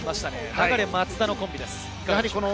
流と松田のコンビです。